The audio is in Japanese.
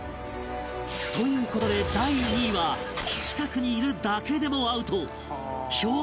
という事で第２位は近くにいるだけでもアウト